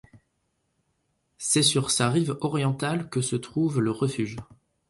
C'est sur sa rive orientale que se trouve le refuge.